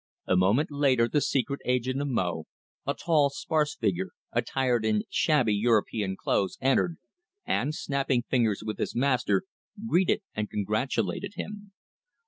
A moment later the secret agent of Mo, a tall, sparse figure, attired in shabby European clothes, entered, and, snapping fingers with his master, greeted and congratulated him.